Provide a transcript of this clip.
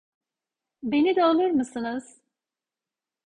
Beni de alır mısınız?